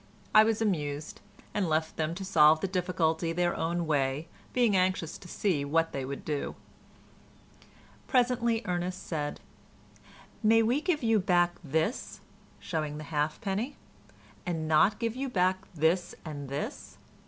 I was amused, and left them to solve the difficulty their own way, being anxious to see what they would do. Presently Ernest said, "May we give you back this" (showing the halfpenny) "and not give you back this and this?"